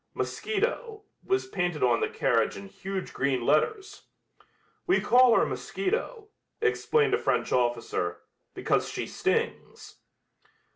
"Mosquito" was painted on the carriage in huge green letters. "We call her mosquito," explained a French officer, "because she stings."